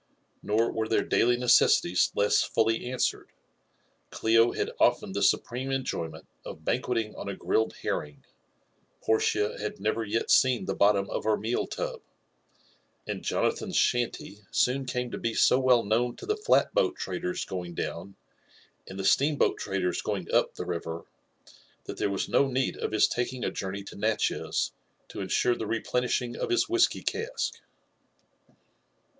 Nor were their daily necessities less fully answered : Clio had often the supreme enjoyment of banqueting on a grilled herring ; Portia had never yet seen ihe bottom of her meal lub ; and Jonathan's shanty soon came to be so well known to the flat boat traders going down, and the steam boat traders going up the river, that there was no need of his taking a journey to Natchez to ensure the replenishing of his whisky cask.